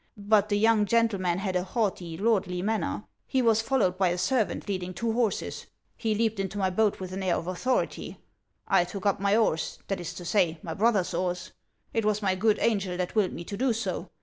But the young gentleman had a haughty, lordly HANS OF ICELAND. 381 manner ; he was followed by a servant leading two horses ; he leaped into my boat with an air of authority ; I took up my oars, that is to say, my brother's oars. It was my •rood angel that willed me to do so.